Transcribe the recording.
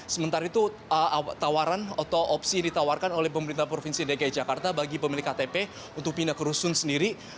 sementara itu tawaran atau opsi ditawarkan oleh pemerintah provinsi dki jakarta bagi pemilik ktp untuk pindah ke rusun sendiri